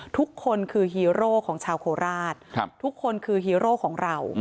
ทุกคนคือฮีโร่ของชาวโคราชทุกคนคือฮีโร่ของเรา